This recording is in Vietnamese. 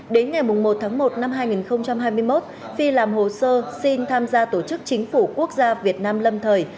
đến ngày một tháng một năm hai nghìn hai mươi một phi làm hồ sơ xin tham gia tổ chức chính phủ quốc gia việt nam lâm thời